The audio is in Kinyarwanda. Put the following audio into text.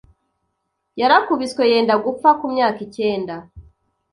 yarakubiswe yenda gupfa Ku myaka icyenda,